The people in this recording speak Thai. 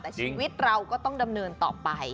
แต่ชีวิตเราก็ต้องดำเนินต่อไป